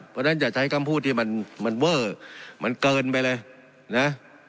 เพราะฉะนั้นอย่าใช้คำพูดที่มันเวอร์มันเกินไปเลยนะ